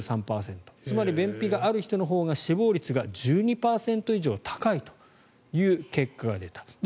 つまり便秘がある人のほうが死亡率が１２％以上高いという結果が出た。